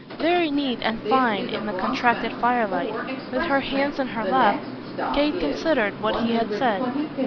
Very neat and fine in the contracted firelight, with her hands in her lap, Kate considered what he had said.